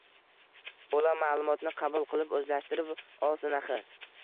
– bola ma’lumotni qabul qilib, o‘zlashtirib olsin, axir.